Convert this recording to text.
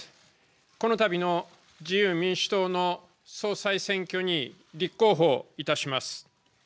このたびの自由民主党の総裁選挙に立候補いたします。